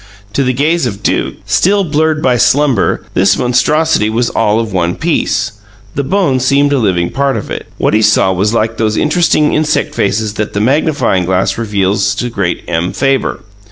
To the gaze of Duke, still blurred by slumber, this monstrosity was all of one piece the bone seemed a living part of it. What he saw was like those interesting insect faces that the magnifying glass reveals to great M. Fabre.